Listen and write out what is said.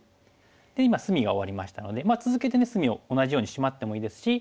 今隅が終わりましたので続けてね隅を同じようにシマってもいいですし。